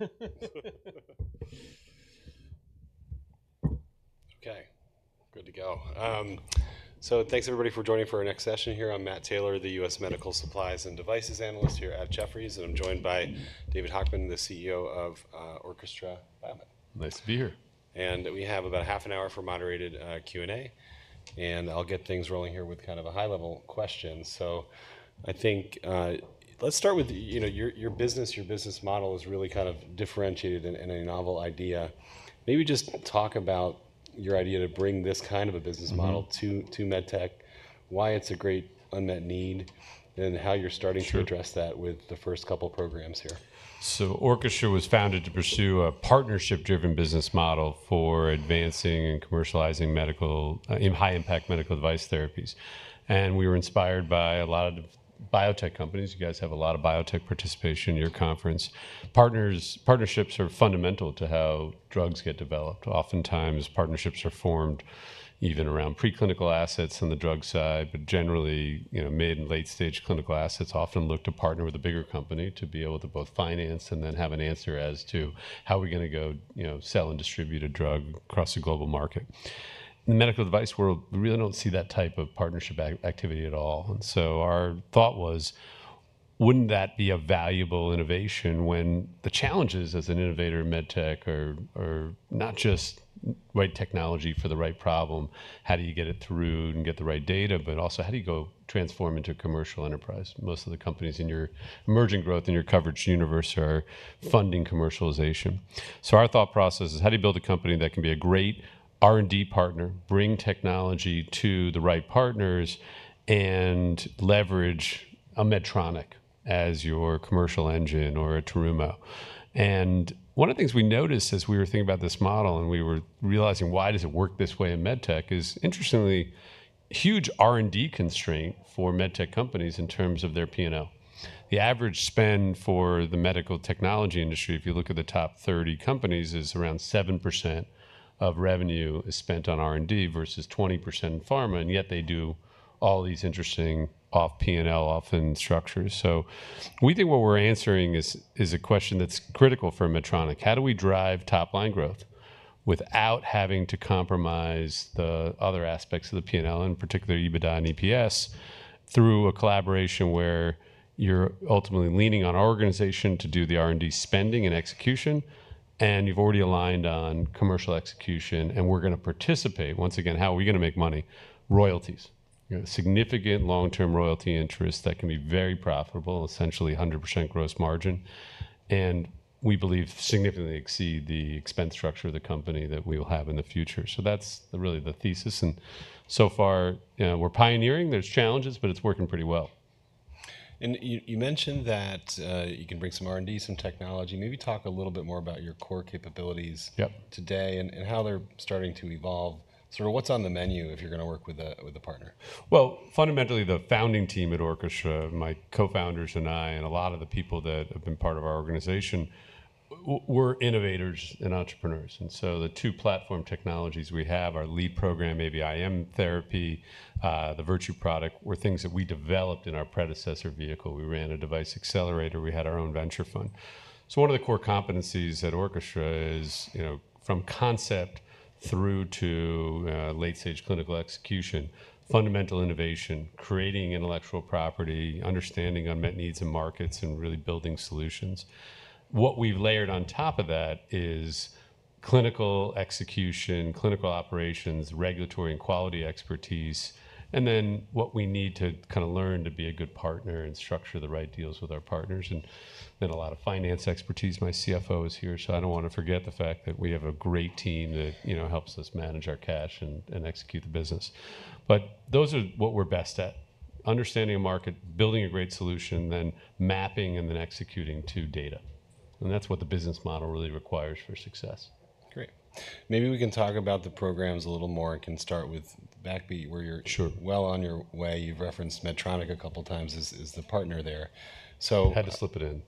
Okay, good to go. Thanks, everybody, for joining for our next session here. I'm Matt Taylor, the U.S. Medical Supplies and Devices Analyst here at Jefferies, and I'm joined by David Hochman, the CEO of Orchestra BioMed. Nice to be here. We have about half an hour for moderated Q&A, and I'll get things rolling here with kind of a high-level question. I think let's start with, you know, your business, your business model is really kind of differentiated in a novel idea. Maybe just talk about your idea to bring this kind of a business model to med tech, why it's a great unmet need, and how you're starting to address that with the first couple of programs here. Orchestra was founded to pursue a partnership-driven business model for advancing and commercializing high-impact medical device therapies. We were inspired by a lot of biotech companies. You guys have a lot of biotech participation in your conference. Partnerships are fundamental to how drugs get developed. Oftentimes, partnerships are formed even around preclinical assets on the drug side, but generally, you know, mid and late-stage clinical assets often look to partner with a bigger company to be able to both finance and then have an answer as to how we're going to go, you know, sell and distribute a drug across the global market. In the medical device world, we really do not see that type of partnership activity at all. Our thought was, would not that be a valuable innovation when the challenges as an innovator in med tech are not just right technology for the right problem, how do you get it through and get the right data, but also how do you go transform into a commercial enterprise? Most of the companies in your emerging growth in your coverage universe are funding commercialization. Our thought process is, how do you build a company that can be a great R&D partner, bring technology to the right partners, and leverage a Medtronic as your commercial engine or a Terumo? One of the things we noticed as we were thinking about this model and we were realizing why does it work this way in med tech is, interestingly, huge R&D constraint for med tech companies in terms of their P&L. The average spend for the medical technology industry, if you look at the top 30 companies, is around 7% of revenue is spent on R&D versus 20% in pharma, and yet they do all these interesting off-P&L, off-in structures. We think what we're answering is a question that's critical for a Medtronic. How do we drive top-line growth without having to compromise the other aspects of the P&L, in particular EBITDA and EPS, through a collaboration where you're ultimately leaning on our organization to do the R&D spending and execution, and you've already aligned on commercial execution, and we're going to participate? Once again, how are we going to make money? Royalties, significant long-term royalty interest that can be very profitable, essentially 100% gross margin, and we believe significantly exceed the expense structure of the company that we will have in the future. That's really the thesis. So far, we're pioneering. There's challenges, but it's working pretty well. You mentioned that you can bring some R&D, some technology. Maybe talk a little bit more about your core capabilities today and how they're starting to evolve. Sort of what's on the menu if you're going to work with a partner? Fundamentally, the founding team at Orchestra, my co-founders and I, and a lot of the people that have been part of our organization, we're innovators and entrepreneurs. The two platform technologies we have, our lead program, maybe AVIM therapy, the Virtue product, were things that we developed in our predecessor vehicle. We ran a device accelerator. We had our own venture fund. One of the core competencies at Orchestra is, you know, from concept through to late-stage clinical execution, fundamental innovation, creating intellectual property, understanding unmet needs and markets, and really building solutions. What we've layered on top of that is clinical execution, clinical operations, regulatory and quality expertise, and then what we need to kind of learn to be a good partner and structure the right deals with our partners. A lot of finance expertise. My CFO is here, so I don't want to forget the fact that we have a great team that, you know, helps us manage our cash and execute the business. Those are what we're best at: understanding a market, building a great solution, then mapping and then executing to data. That's what the business model really requires for success. Great. Maybe we can talk about the programs a little more. I can start with AVIM, where you're well on your way. You've referenced Medtronic a couple of times as the partner there. Had to slip it in.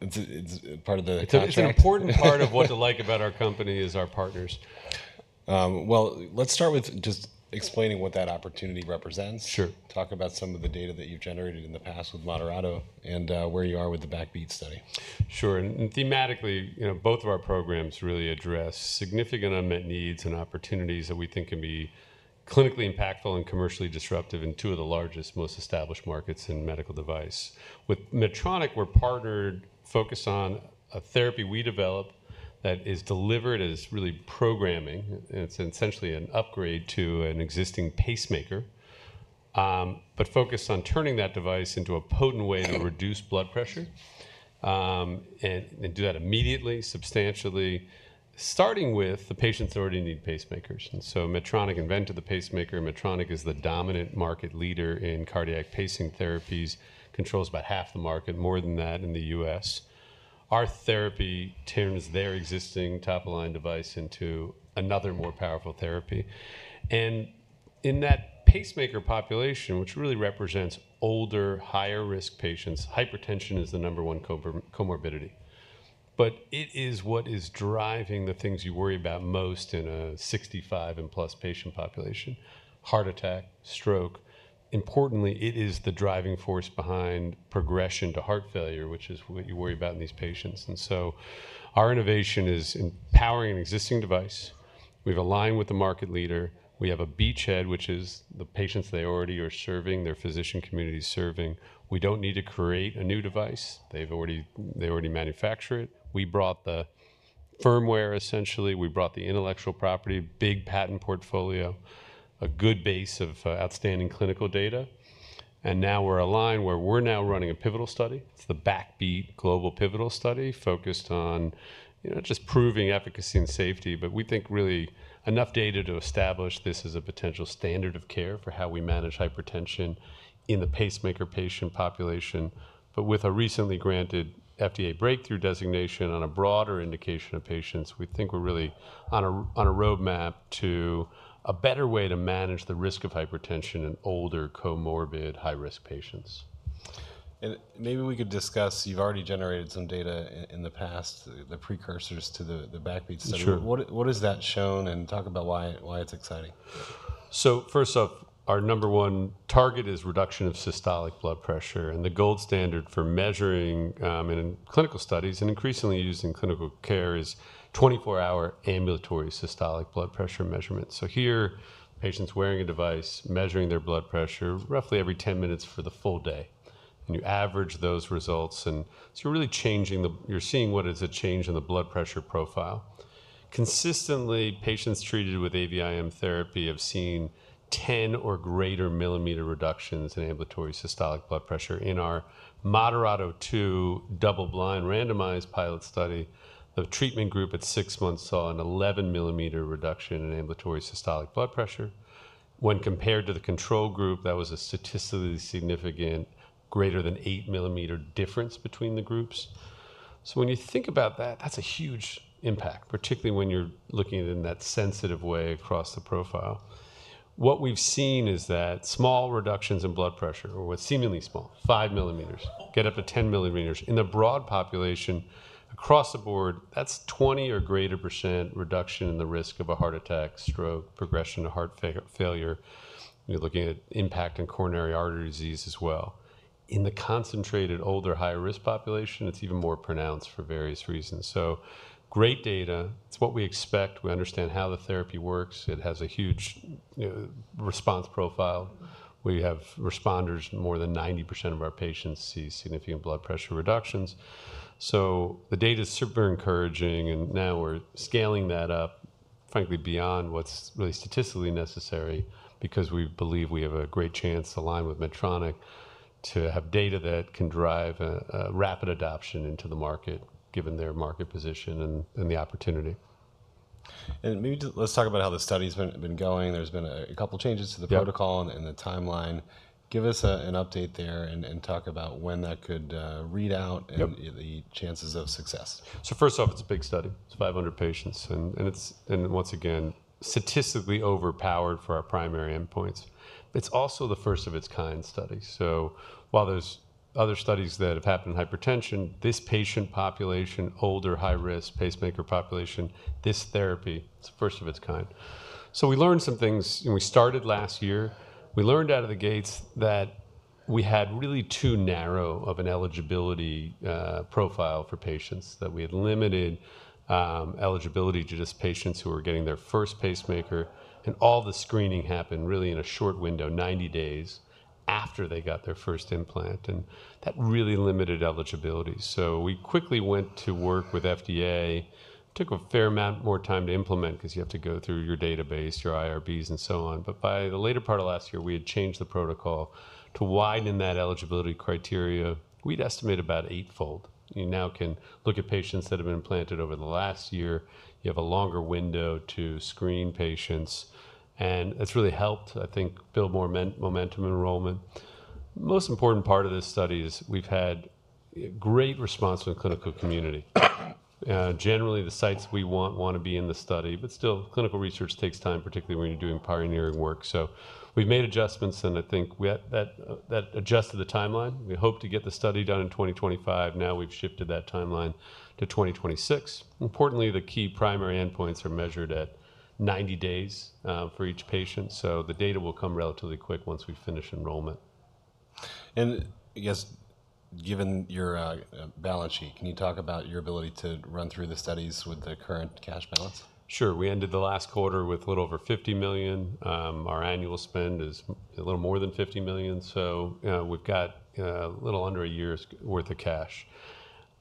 It's part of the conversation. It's an important part of what to like about our company is our partners. Let's start with just explaining what that opportunity represents. Talk about some of the data that you've generated in the past with Moderato and where you are with the BACKBEAT study. Sure. And thematically, you know, both of our programs really address significant unmet needs and opportunities that we think can be clinically impactful and commercially disruptive in two of the largest, most established markets in medical device. With Medtronic, we're partnered, focused on a therapy we develop that is delivered as really programming. It's essentially an upgrade to an existing pacemaker, but focused on turning that device into a potent way to reduce blood pressure and do that immediately, substantially, starting with the patients who already need pacemakers. Medtronic invented the pacemaker. Medtronic is the dominant market leader in cardiac pacing therapies, controls about half the market, more than that in the U.S. Our therapy turns their existing top-of-the-line device into another more powerful therapy. In that pacemaker population, which really represents older, higher-risk patients, hypertension is the number one comorbidity. It is what is driving the things you worry about most in a 65-plus patient population: heart attack, stroke. Importantly, it is the driving force behind progression to heart failure, which is what you worry about in these patients. Our innovation is empowering an existing device. We've aligned with the market leader. We have a beachhead, which is the patients they already are serving, their physician community serving. We don't need to create a new device. They already manufacture it. We brought the firmware, essentially. We brought the intellectual property, big patent portfolio, a good base of outstanding clinical data. Now we're aligned where we're now running a pivotal study. It's the BACKBEAT Global Pivotal Study, focused on, you know, just proving efficacy and safety, but we think really enough data to establish this as a potential standard of care for how we manage hypertension in the pacemaker patient population. With a recently granted FDA breakthrough designation on a broader indication of patients, we think we're really on a roadmap to a better way to manage the risk of hypertension in older, comorbid, high-risk patients. Maybe we could discuss, you've already generated some data in the past, the precursors to the BACKBEAT study. What has that shown? Talk about why it's exciting. First off, our number one target is reduction of systolic blood pressure. The gold standard for measuring in clinical studies and increasingly used in clinical care is 24-hour ambulatory systolic blood pressure measurement. Here, patients are wearing a device measuring their blood pressure roughly every 10 minutes for the full day. You average those results. You are really changing, you are seeing what is a change in the blood pressure profile. Consistently, patients treated with AVIM therapy have seen 10 mm or greater mm reductions in ambulatory systolic blood pressure. In our MODERATO II double-blind randomized pilot study, the treatment group at six months saw an 11-mm reduction in ambulatory systolic blood pressure. When compared to the control group, that was a statistically significant greater than 8-mm difference between the groups. When you think about that, that's a huge impact, particularly when you're looking at it in that sensitive way across the profile. What we've seen is that small reductions in blood pressure, or what seemingly small, 5 mms, get up to 10 mms. In the broad population, across the board, that's 20% or greater reduction in the risk of a heart attack, stroke, progression to heart failure. You're looking at impact in coronary artery disease as well. In the concentrated older, higher-risk population, it's even more pronounced for various reasons. Great data. It's what we expect. We understand how the therapy works. It has a huge response profile. We have responders. More than 90% of our patients see significant blood pressure reductions. The data is super encouraging. Now we're scaling that up, frankly, beyond what's really statistically necessary because we believe we have a great chance to align with Medtronic to have data that can drive a rapid adoption into the market, given their market position and the opportunity. Maybe let's talk about how the study has been going. There's been a couple of changes to the protocol and the timeline. Give us an update there and talk about when that could read out and the chances of success. First off, it's a big study. It's 500 patients. And it's, once again, statistically overpowered for our primary endpoints. It's also the first of its kind study. While there are other studies that have happened in hypertension, this patient population, older, high-risk pacemaker population, this therapy, it's the first of its kind. We learned some things. We started last year. We learned out of the gates that we had really too narrow of an eligibility profile for patients, that we had limited eligibility to just patients who were getting their first pacemaker. All the screening happened really in a short window, 90 days after they got their first implant. That really limited eligibility. We quickly went to work with FDA, took a fair amount more time to implement because you have to go through your database, your IRBs, and so on. By the later part of last year, we had changed the protocol to widen that eligibility criteria. We'd estimate about eightfold. You now can look at patients that have been implanted over the last year. You have a longer window to screen patients. It's really helped, I think, build more momentum enrollment. Most important part of this study is we've had great response from the clinical community. Generally, the sites we want want to be in the study, but still, clinical research takes time, particularly when you're doing pioneering work. We've made adjustments, and I think that adjusted the timeline. We hope to get the study done in 2025. Now we've shifted that timeline to 2026. Importantly, the key primary endpoints are measured at 90 days for each patient. The data will come relatively quick once we finish enrollment. I guess, given your balance sheet, can you talk about your ability to run through the studies with the current cash balance? Sure. We ended the last quarter with a little over $50 million. Our annual spend is a little more than $50 million. So we've got a little under a year's worth of cash.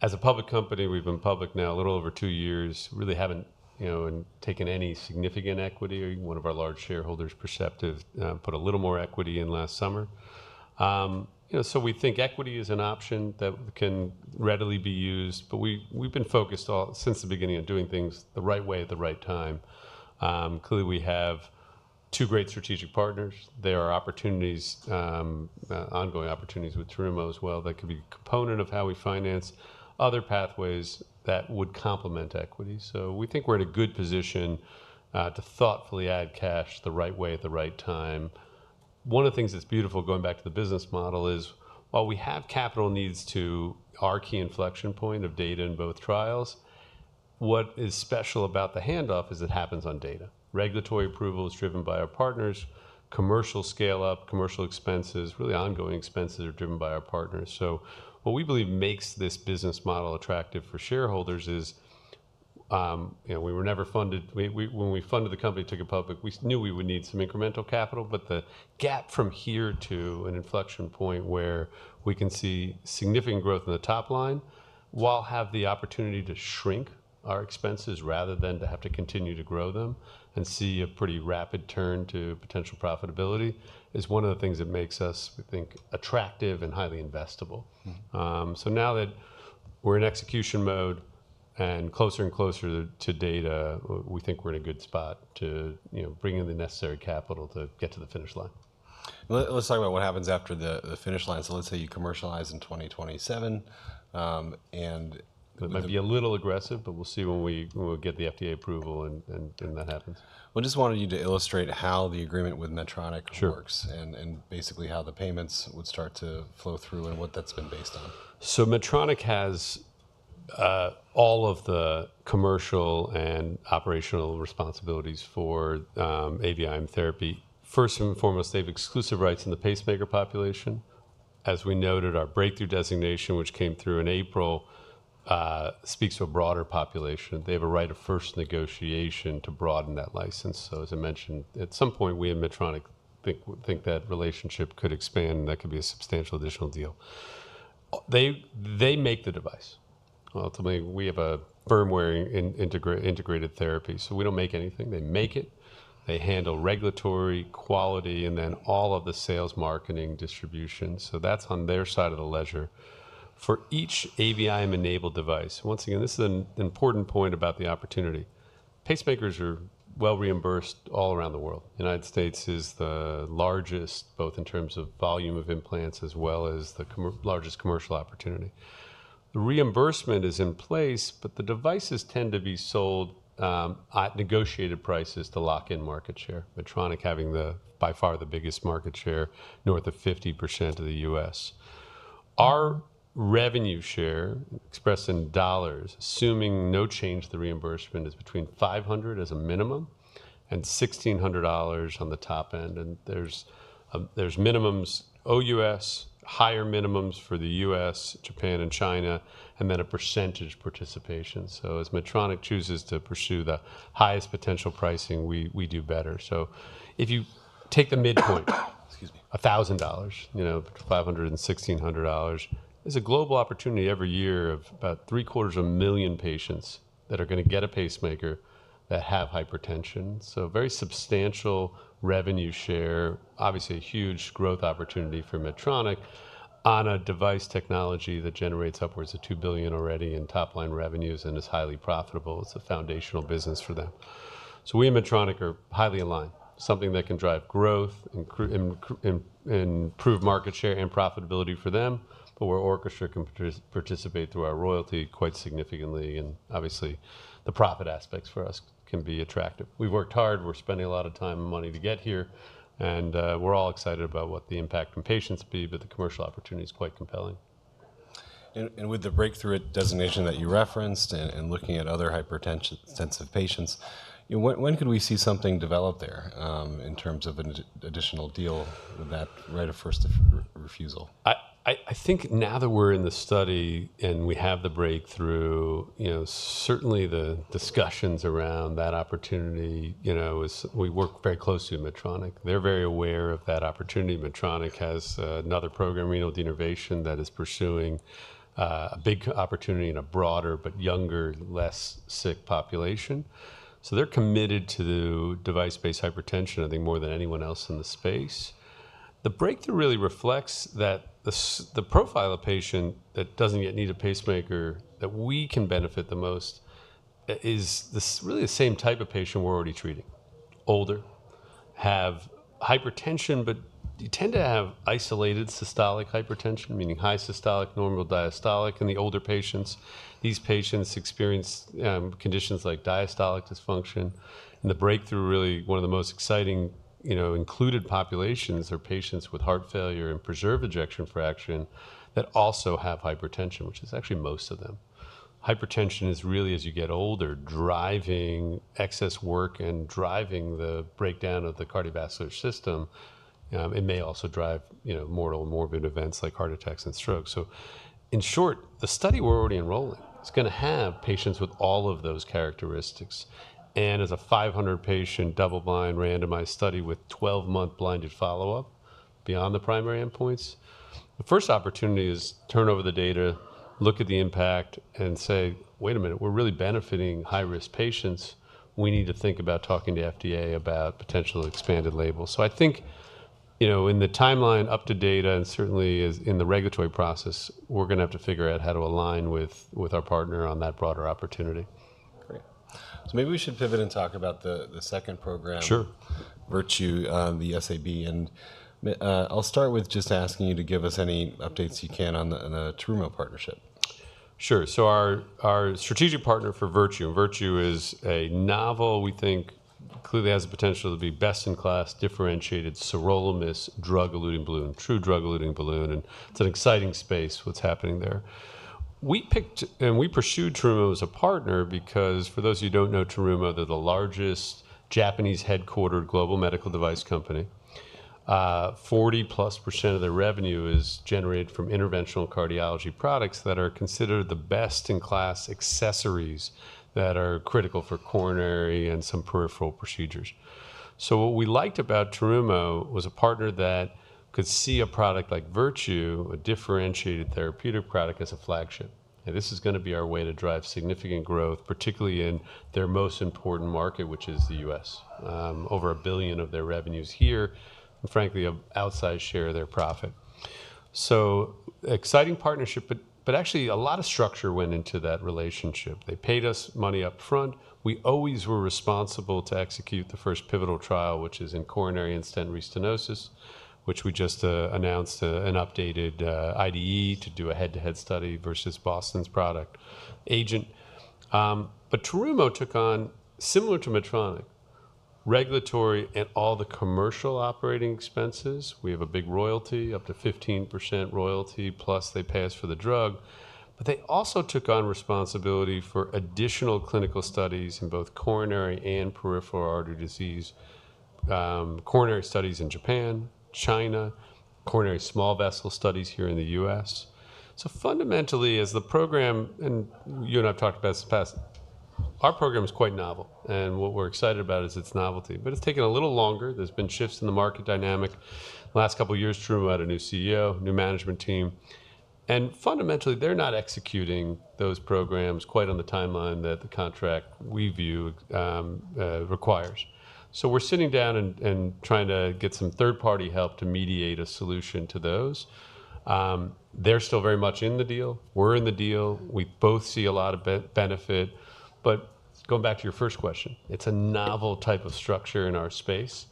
As a public company, we've been public now a little over two years. Really haven't taken any significant equity or one of our large shareholders, Perceptive, put a little more equity in last summer. We think equity is an option that can readily be used, but we've been focused since the beginning on doing things the right way at the right time. Clearly, we have two great strategic partners. There are opportunities, ongoing opportunities with Terumo as well, that could be a component of how we finance other pathways that would complement equity. We think we're in a good position to thoughtfully add cash the right way at the right time. One of the things that's beautiful going back to the business model is while we have capital needs to our key inflection point of data in both trials, what is special about the handoff is it happens on data. Regulatory approval is driven by our partners. Commercial scale-up, commercial expenses, really ongoing expenses are driven by our partners. What we believe makes this business model attractive for shareholders is we were never funded. When we funded the company to go public, we knew we would need some incremental capital, but the gap from here to an inflection point where we can see significant growth in the top line while have the opportunity to shrink our expenses rather than to have to continue to grow them and see a pretty rapid turn to potential profitability is one of the things that makes us, we think, attractive and highly investable. Now that we're in execution mode and closer and closer to data, we think we're in a good spot to bring in the necessary capital to get to the finish line. Let's talk about what happens after the finish line. So let's say you commercialize in 2027. It might be a little aggressive, but we'll see when we get the FDA approval and that happens. I just wanted you to illustrate how the agreement with Medtronic works and basically how the payments would start to flow through and what that's been based on. Medtronic has all of the commercial and operational responsibilities for AVIM therapy. First and foremost, they have exclusive rights in the pacemaker population. As we noted, our breakthrough designation, which came through in April, speaks to a broader population. They have a right of first negotiation to broaden that license. As I mentioned, at some point, we at Medtronic think that relationship could expand and that could be a substantial additional deal. They make the device. Ultimately, we have a firmware integrated therapy, so we do not make anything. They make it. They handle regulatory quality and then all of the sales, marketing, distribution. That is on their side of the ledger for each AVIM-enabled device. Once again, this is an important point about the opportunity. Pacemakers are well reimbursed all around the world. The United States is the largest, both in terms of volume of implants as well as the largest commercial opportunity. The reimbursement is in place, but the devices tend to be sold at negotiated prices to lock in market share. Medtronic having by far the biggest market share, north of 50% of the U.S. Our revenue share, expressed in dollars, assuming no change to the reimbursement, is between $500 as a minimum and $1,600 on the top end. And there's minimums OUS, higher minimums for the U.S., Japan, and China, and then a percentage participation. As Medtronic chooses to pursue the highest potential pricing, we do better. If you take the midpoint, excuse me, $1,000, $500, $1,600, there's a global opportunity every year of about three-quarters of a million patients that are going to get a pacemaker that have hypertension. Very substantial revenue share, obviously a huge growth opportunity for Medtronic on a device technology that generates upwards of $2 billion already in top-line revenues and is highly profitable. It is a foundational business for them. We at Medtronic are highly aligned, something that can drive growth and improve market share and profitability for them. We are orchestrating to participate through our royalty quite significantly. Obviously, the profit aspects for us can be attractive. We have worked hard. We are spending a lot of time and money to get here. We are all excited about what the impact on patients will be, but the commercial opportunity is quite compelling. With the breakthrough designation that you referenced and looking at other hypertensive patients, when could we see something develop there in terms of an additional deal with that right of first refusal? I think now that we're in the study and we have the breakthrough, certainly the discussions around that opportunity is we work very closely with Medtronic. They're very aware of that opportunity. Medtronic has another program, renal denervation, that is pursuing a big opportunity in a broader but younger, less sick population. They are committed to device-based hypertension, I think, more than anyone else in the space. The breakthrough really reflects that the profile of patient that does not yet need a pacemaker that we can benefit the most is really the same type of patient we're already treating. Older, have hypertension, but they tend to have isolated systolic hypertension, meaning high systolic, normal diastolic in the older patients. These patients experience conditions like diastolic dysfunction. The breakthrough, really one of the most exciting included populations are patients with heart failure with preserved ejection fraction that also have hypertension, which is actually most of them. Hypertension is really, as you get older, driving excess work and driving the breakdown of the cardiovascular system. It may also drive mortal and morbid events like heart attacks and strokes. In short, the study we're already enrolling is going to have patients with all of those characteristics. As a 500-patient double-blind randomized study with 12-month blinded follow-up beyond the primary endpoints, the first opportunity is to turn over the data, look at the impact, and say, "Wait a minute, we're really benefiting high-risk patients. We need to think about talking to FDA about potential expanded labels. I think in the timeline up to data and certainly in the regulatory process, we're going to have to figure out how to align with our partner on that broader opportunity. Great. Maybe we should pivot and talk about the second program, Virtue, the SAB. I'll start with just asking you to give us any updates you can on the Terumo partnership. Sure. Our strategic partner for Virtue, Virtue is a novel, we think, clearly has the potential to be best in class, differentiated, sirolimus drug-eluting balloon, true drug-eluting balloon. It is an exciting space, what is happening there. We picked and we pursued Terumo as a partner because for those of you who do not know Terumo, they are the largest Japanese-headquartered global medical device company. 40%+ of their revenue is generated from interventional cardiology products that are considered the best-in-class accessories that are critical for coronary and some peripheral procedures. What we liked about Terumo was a partner that could see a product like Virtue, a differentiated therapeutic product, as a flagship. This is going to be our way to drive significant growth, particularly in their most important market, which is the U.S. Over $1 billion of their revenues here, and frankly, an outsized share of their profit. Exciting partnership, but actually a lot of structure went into that relationship. They paid us money upfront. We always were responsible to execute the first pivotal trial, which is in coronary and stent restenosis, which we just announced an updated IDE to do a head-to-head study versus Boston's product AGENT. Terumo took on, similar to Medtronic, regulatory and all the commercial operating expenses. We have a big royalty, up to 15% royalty, plus they pay us for the drug. They also took on responsibility for additional clinical studies in both coronary and peripheral artery disease, coronary studies in Japan, China, coronary small vessel studies here in the U.S. Fundamentally, as the program, and you and I have talked about this in the past, our program is quite novel. What we are excited about is its novelty. It has taken a little longer. have been shifts in the market dynamic. In the last couple of years, Terumo had a new CEO, new management team. Fundamentally, they are not executing those programs quite on the timeline that the contract we view requires. We are sitting down and trying to get some third-party help to mediate a solution to those. They are still very much in the deal. We are in the deal. We both see a lot of benefit. Going back to your first question, it is a novel type of structure in our space.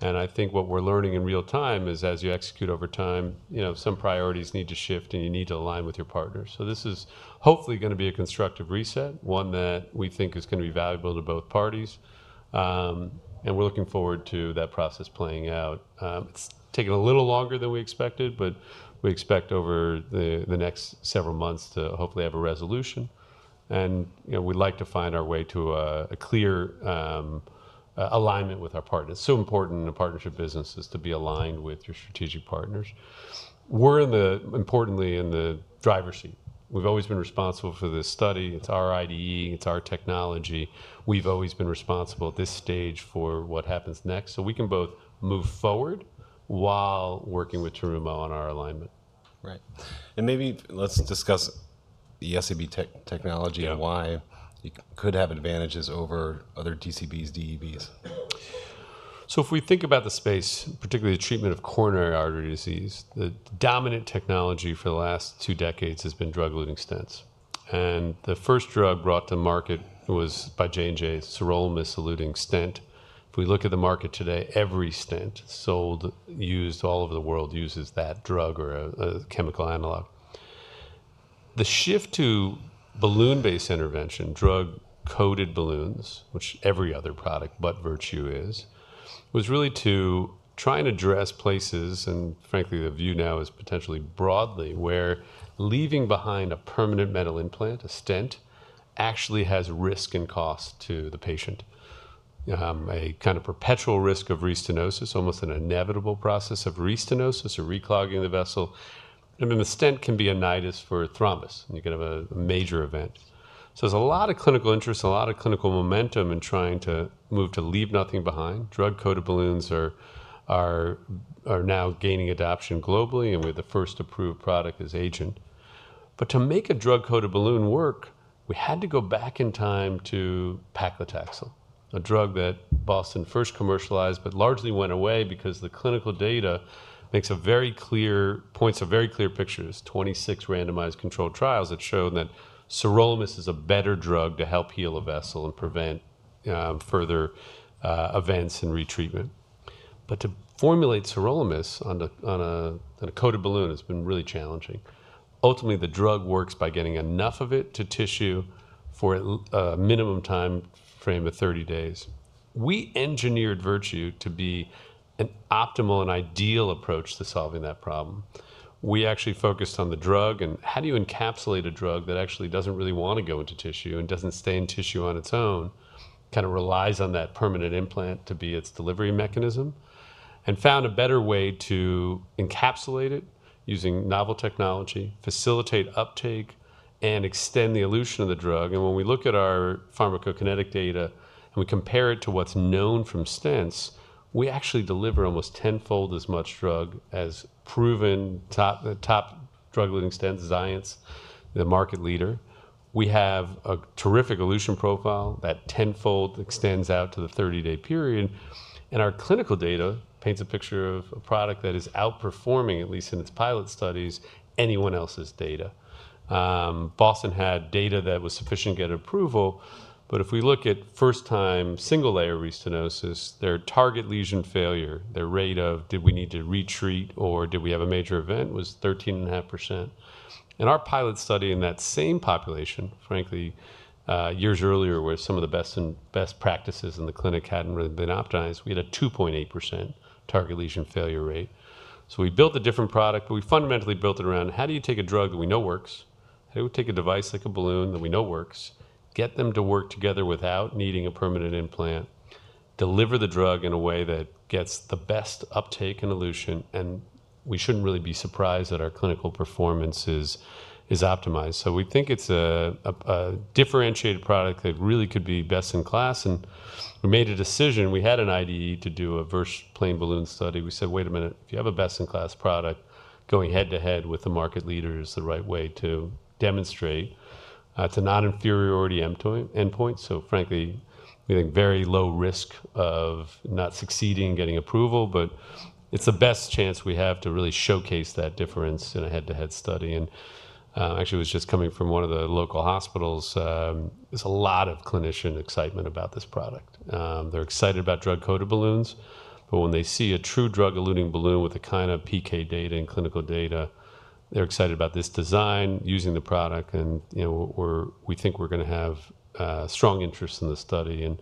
I think what we are learning in real time is as you execute over time, some priorities need to shift and you need to align with your partners. This is hopefully going to be a constructive reset, one that we think is going to be valuable to both parties. We are looking forward to that process playing out. It's taken a little longer than we expected, but we expect over the next several months to hopefully have a resolution. We'd like to find our way to a clear alignment with our partners. It's so important in a partnership business to be aligned with your strategic partners. We're importantly in the driver's seat. We've always been responsible for this study. It's our IDE. It's our technology. We've always been responsible at this stage for what happens next. We can both move forward while working with Terumo on our alignment. Right. Maybe let's discuss the SAB technology and why it could have advantages over other TCBs, DEBs. If we think about the space, particularly the treatment of coronary artery disease, the dominant technology for the last two decades has been drug-eluting stents. The first drug brought to market was by J&J, sirolimus-eluting stent. If we look at the market today, every stent sold, used all over the world, uses that drug or a chemical analog. The shift to balloon-based intervention, drug-coated balloons, which every other product but Virtue is, was really to try and address places, and frankly, the view now is potentially broadly where leaving behind a permanent metal implant, a stent, actually has risk and cost to the patient. A kind of perpetual risk of restenosis, almost an inevitable process of restenosis or reclogging the vessel. I mean, the stent can be a nidus for thrombus. You can have a major event. There's a lot of clinical interest, a lot of clinical momentum in trying to move to leave nothing behind. Drug-coated balloons are now gaining adoption globally, and we're the first approved product as AGENT. To make a drug-coated balloon work, we had to go back in time to paclitaxel, a drug that Boston first commercialized, but largely went away because the clinical data points to very clear pictures, 26 randomized controlled trials that show that sirolimus is a better drug to help heal a vessel and prevent further events in retreatment. To formulate sirolimus on a coated balloon has been really challenging. Ultimately, the drug works by getting enough of it to tissue for a minimum time frame of 30 days. We engineered Virtue to be an optimal and ideal approach to solving that problem. We actually focused on the drug and how do you encapsulate a drug that actually does not really want to go into tissue and does not stay in tissue on its own, kind of relies on that permanent implant to be its delivery mechanism, and found a better way to encapsulate it using novel technology, facilitate uptake, and extend the elution of the drug. When we look at our pharmacokinetic data and we compare it to what is known from stents, we actually deliver almost tenfold as much drug as proven top drug-eluting stents, Xience, the market leader. We have a terrific elution profile that tenfold extends out to the 30-day period. Our clinical data paints a picture of a product that is outperforming, at least in its pilot studies, anyone else's data. Boston had data that was sufficient to get approval. If we look at first-time single-layer restenosis, their target lesion failure, their rate of, "Did we need to retreat or did we have a major event?" was 13.5%. In our pilot study in that same population, frankly, years earlier where some of the best practices in the clinic hadn't really been optimized, we had a 2.8% target lesion failure rate. We built a different product, but we fundamentally built it around how do you take a drug that we know works, how do we take a device like a balloon that we know works, get them to work together without needing a permanent implant, deliver the drug in a way that gets the best uptake and elution, and we shouldn't really be surprised that our clinical performance is optimized. We think it's a differentiated product that really could be best in class. We made a decision. We had an IDE to do a Virtue sirolimus balloon study. We said, "Wait a minute, if you have a best-in-class product, going head-to-head with the market leader is the right way to demonstrate." It's a non-inferiority endpoint. Frankly, we think very low risk of not succeeding in getting approval, but it's the best chance we have to really showcase that difference in a head-to-head study. Actually, I was just coming from one of the local hospitals. There's a lot of clinician excitement about this product. They're excited about drug-coated balloons. When they see a true drug-eluting balloon with the kind of PK data and clinical data, they're excited about this design, using the product. We think we're going to have strong interest in the study.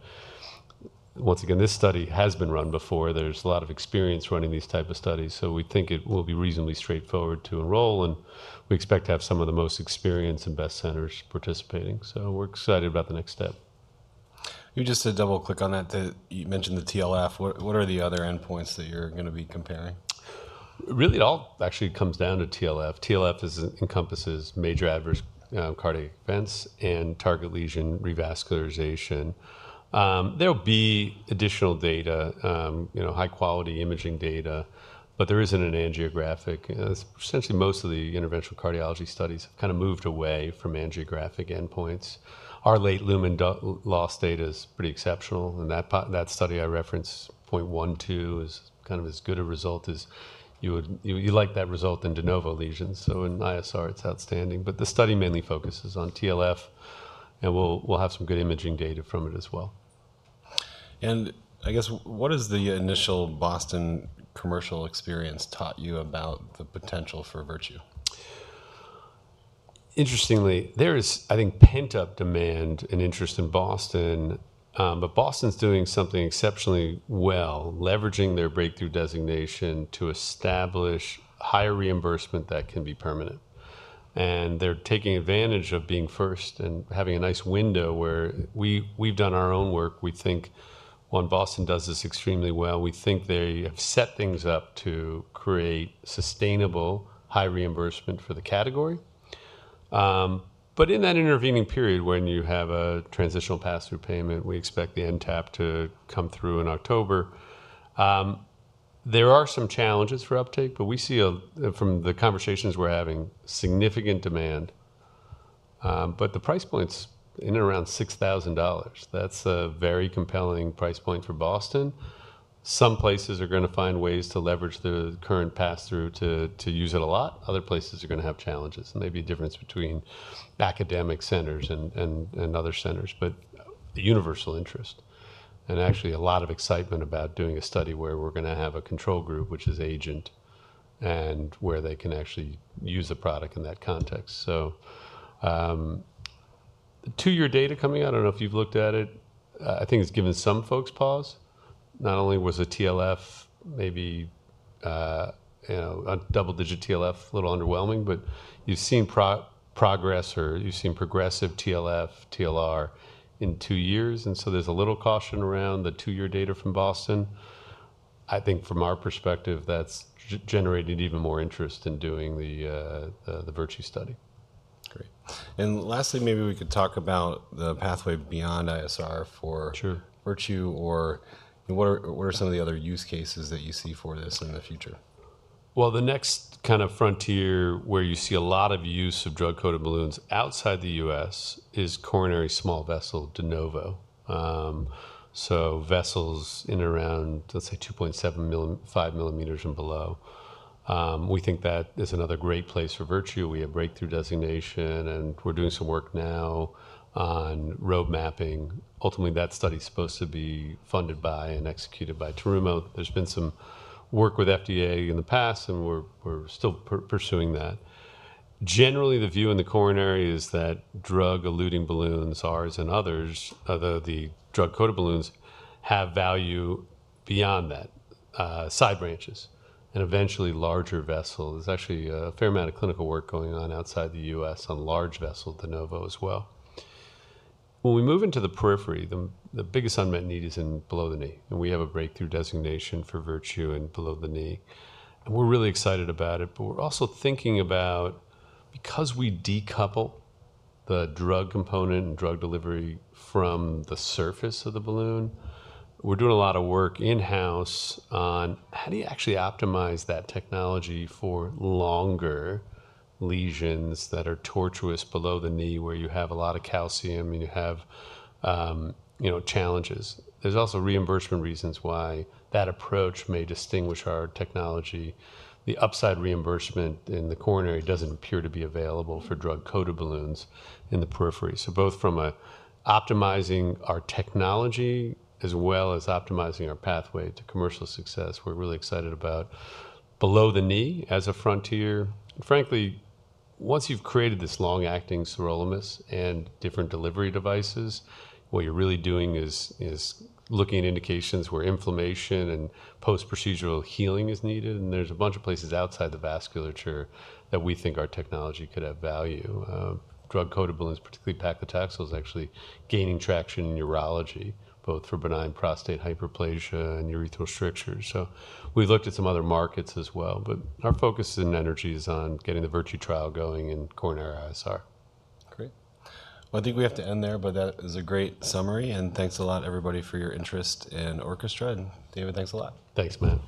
Once again, this study has been run before. There's a lot of experience running these types of studies. We think it will be reasonably straightforward to enroll. We expect to have some of the most experienced and best centers participating. We're excited about the next step. You just said double-click on that. You mentioned the TLF. What are the other endpoints that you're going to be comparing? Really, it all actually comes down to TLF. TLF encompasses major adverse cardiac events and target lesion revascularization. There'll be additional data, high-quality imaging data, but there isn't an angiographic. Essentially, most of the interventional cardiology studies have kind of moved away from angiographic endpoints. Our late lumen loss data is pretty exceptional. And that study I referenced, 0.12, is kind of as good a result as you like that result in de novo lesions. In ISR, it's outstanding. The study mainly focuses on TLF, and we'll have some good imaging data from it as well. I guess, what has the initial Boston commercial experience taught you about the potential for Virtue? Interestingly, there is, I think, pent-up demand and interest in Boston. Boston's doing something exceptionally well, leveraging their breakthrough designation to establish higher reimbursement that can be permanent. They're taking advantage of being first and having a nice window where we've done our own work. We think, while Boston does this extremely well, they have set things up to create sustainable high reimbursement for the category. In that intervening period, when you have a transitional pass-through payment, we expect the NTAP to come through in October. There are some challenges for uptake, but we see from the conversations we're having significant demand. The price point's in and around $6,000. That's a very compelling price point for Boston. Some places are going to find ways to leverage the current pass-through to use it a lot. Other places are going to have challenges. There may be a difference between academic centers and other centers, but the universal interest and actually a lot of excitement about doing a study where we're going to have a control group, which is AGENT, and where they can actually use the product in that context. Two-year data coming out, I don't know if you've looked at it. I think it's given some folks pause. Not only was a TLF maybe a double-digit TLF, a little underwhelming, but you've seen progress or you've seen progressive TLF, TLR in two years. There is a little caution around the two-year data from Boston. I think from our perspective, that's generated even more interest in doing the Virtue study. Great. Lastly, maybe we could talk about the pathway beyond ISR for Virtue or what are some of the other use cases that you see for this in the future? The next kind of frontier where you see a lot of use of drug-coated balloons outside the U.S. is coronary small vessel de novo. Vessels in and around, let's say, 2.75 mms and below. We think that is another great place for Virtue. We have breakthrough designation, and we're doing some work now on roadmapping. Ultimately, that study is supposed to be funded by and executed by Terumo. There's been some work with FDA in the past, and we're still pursuing that. Generally, the view in the coronary is that drug-eluting balloons, ours and others, although the drug-coated balloons have value beyond that, side branches and eventually larger vessels. There's actually a fair amount of clinical work going on outside the U.S. on large vessel de novo as well. When we move into the periphery, the biggest unmet need is in below the knee. We have a breakthrough designation for Virtue in below the knee. We're really excited about it, but we're also thinking about, because we decouple the drug component and drug delivery from the surface of the balloon, we're doing a lot of work in-house on how do you actually optimize that technology for longer lesions that are tortuous below the knee where you have a lot of calcium and you have challenges. There's also reimbursement reasons why that approach may distinguish our technology. The upside reimbursement in the coronary doesn't appear to be available for drug-coated balloons in the periphery. Both from optimizing our technology as well as optimizing our pathway to commercial success, we're really excited about below the knee as a frontier. Frankly, once you've created this long-acting sirolimus and different delivery devices, what you're really doing is looking at indications where inflammation and post-procedural healing is needed. There's a bunch of places outside the vasculature that we think our technology could have value. Drug-coated balloons, particularly paclitaxel, is actually gaining traction in urology, both for benign prostate hyperplasia and urethral strictures. We've looked at some other markets as well. Our focus in energy is on getting the Virtue trial going in coronary ISR. Great. I think we have to end there, but that is a great summary. Thanks a lot, everybody, for your interest in Orchestra. David, thanks a lot. Thanks, Matt.